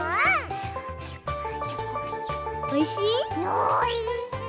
おいしい？